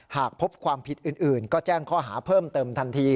หากพบความผิดอื่นก็แจ้งข้อหาเพิ่มเติมทันที